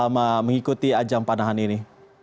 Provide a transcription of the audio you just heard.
mengikuti ajang panahan ini